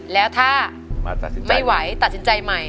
แล้วถ้าไม่ไหวตัดสินใจใหม่